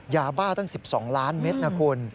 ยาบ้าตั้ง๑๒ล้านเมตรนะคุณ